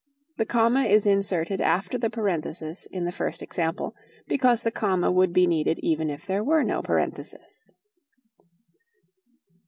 The comma is inserted after the parenthesis in the first example, because the comma would be needed even if there were no parenthesis.